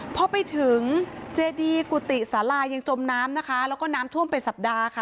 พอไปถึงเจดีกุฏิสาลายังจมน้ำนะคะแล้วก็น้ำท่วมเป็นสัปดาห์ค่ะ